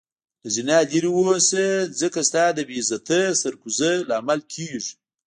له زنا لرې اوسه ځکه ستا د بی عزتي سر کوزي لامل کيږې